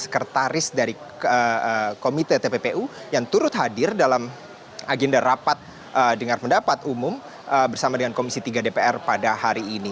sekretaris dari komite tppu yang turut hadir dalam agenda rapat dengar pendapat umum bersama dengan komisi tiga dpr pada hari ini